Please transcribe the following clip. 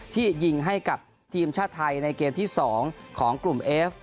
ที่ยิงให้กับทีมชาติไทยในเกมที่๒ของกลุ่มเอฟ